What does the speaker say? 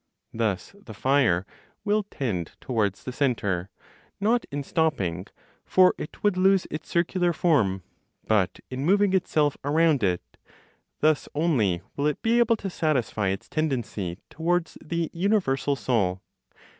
Thus the fire will tend towards the centre, not in stopping, for it would lose its circular form, but in moving itself around it; thus only will it be able to satisfy its tendency (towards the universal Soul).